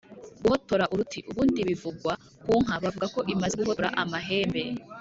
guhotora uruti: ubundi bivugwa ku nka, bavuga ko imaze guhotora amahembe